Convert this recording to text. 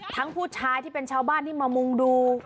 ผู้ชายที่เป็นชาวบ้านที่มามุ่งดู